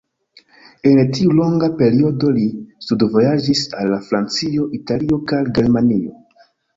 En tiu longa periodo li studvojaĝis al Francio, Italio kaj Germanio.